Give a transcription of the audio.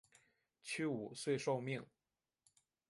屈武遂受命。